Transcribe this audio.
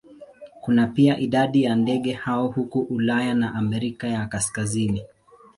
Kuna pia idadi ya ndege hao huko Ulaya na Amerika ya Kaskazini.